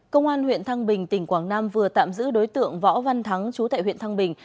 công an huyện thăng bình tỉnh quảng nam vừa tạm giữ đối tượng võ văn thắng chú tại huyện thăng bình